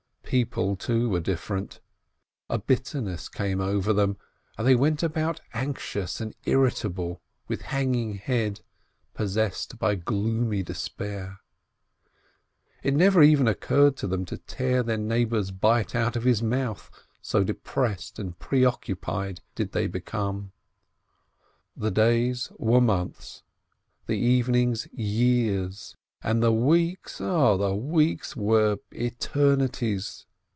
People, too, were different. A bitterness came over them, and they went about anxious and irritable, with hanging head, possessed by gloomy despair. It never even occurred to them to tear their neighbor's bite out of his mouth, so depressed and preoccupied did they become. The days were months, the evenings years, and the weeks — oh ! the weeks were eternities